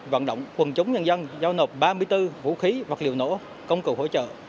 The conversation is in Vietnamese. vận động quần chúng nhân dân giao nộp ba mươi bốn vũ khí vật liệu nổ công cụ hỗ trợ